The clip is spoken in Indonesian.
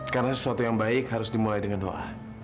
karena sesuatu yang baik harus dimulai dengan doa